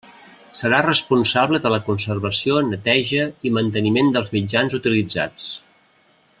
Serà responsable de la conservació, neteja i manteniment dels mitjans utilitzats.